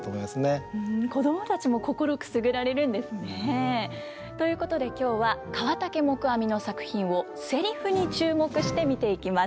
子供たちも心くすぐられるんですね。ということで今日は河竹黙阿弥の作品をセリフに注目して見ていきます。